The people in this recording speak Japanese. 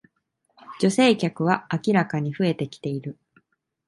女性客は明らかに増えてきてる